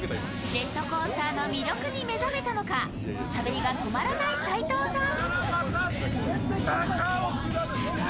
ジェットコースターの魅力に目覚めたのかしゃべりが止まらない斉藤さん。